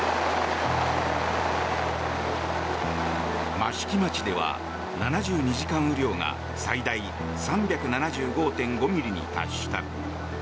益城町では７２時間雨量が最大３７５．５ミリに達した。